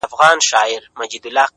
هسي بیا نه راځو; اوس لا خُمار باسه;